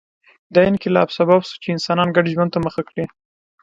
دا انقلاب سبب شو چې انسان ګډ ژوند ته مخه کړي